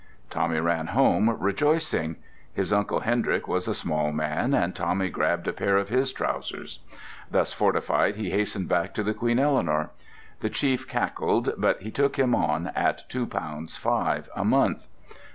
Tommy ran home rejoicing. His Uncle Hendrick was a small man, and Tommy grabbed a pair of his trousers. Thus fortified, he hastened back to the Queen Eleanor. The chief cackled, but he took him on at two pounds five a month.